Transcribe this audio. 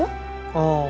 ああ。